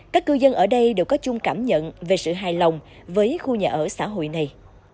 các cư dân ở đây đều có chung cảm nhận về sự hài lòng với khu nhà ở xã hội này